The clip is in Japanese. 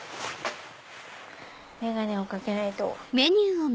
眼鏡を掛けないと。